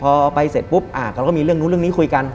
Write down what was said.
พอไปเสร็จปุ๊บเราก็มีเรื่องนู้นเรื่องนี้คุยกัน